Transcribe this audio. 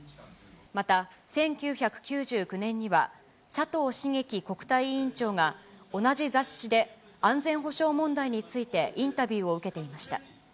また、１９９９年には、佐藤茂樹国対委員長が、同じ雑誌で安全保障問題についてインタビューを受けていました。